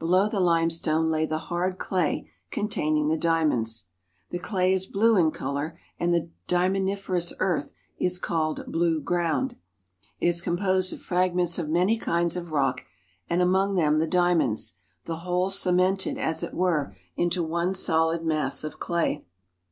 Below the limestone lay the hard clay containing the diamonds. The clay is blue in color and the diamond iferous earth is called blue ground. It is composed of fragments of many kinds of rock and among them the diamonds, the whole cemented, as it were, into one solid mass of clay.